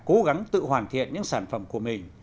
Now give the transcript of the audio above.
cố gắng tự hoàn thiện những sản phẩm của mình